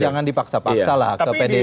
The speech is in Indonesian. jangan dipaksa paksalah ke pdi perjuangan